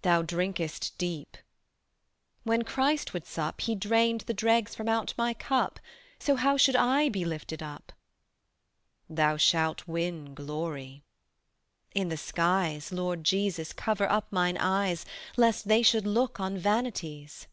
"Thou drinkest deep." "When Christ would sup He drained the dregs from out my cup: So how should I be lifted up?" "Thou shalt win Glory." "In the skies, Lord Jesus, cover up mine eyes Lest they should look on vanities."